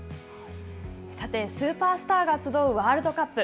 さて、スーパースターが集うワールドカップ。